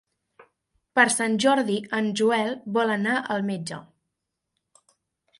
Per Sant Jordi en Joel vol anar al metge.